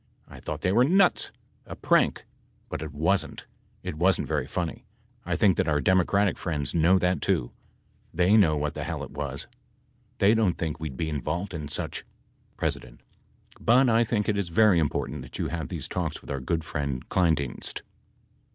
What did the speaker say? I thought they were nuts ! A prank ! But it wasn't ! It wasn't very funny. I think that our Democratic friends know that too. They know what the hell it was. They don't think we'd be involved in such. [pp. 108 9.] P. But I think it is very important that you have these talks with our good friend Kleindienst.